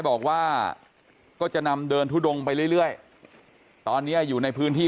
บอกว่าก็จะนำเดินทุดงไปเรื่อยตอนนี้อยู่ในพื้นที่